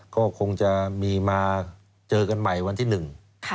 ก็คงจะมีมาเจอกันใหม่วันที่หนึ่ง